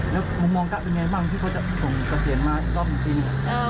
แล้วมุมมองก็เป็นยังไงบ้างที่เขาจะส่งเกษียณมาตรงที่นี่